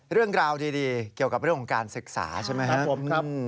เรื่องราวดีเกี่ยวกับเรื่องของการศึกษาใช่ไหมครับ